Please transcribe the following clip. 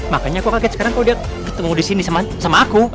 makanya aku kaget sekarang kalau dia ketemu disini sama aku